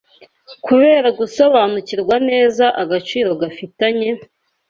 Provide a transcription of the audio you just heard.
Kubera gusobanukirwa neza agaciro gafitanye